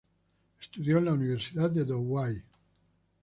Estudió en la Universidad de Douai.